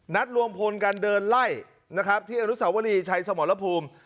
รวมพลกันเดินไล่นะครับที่อนุสาวรีชัยสมรภูมิ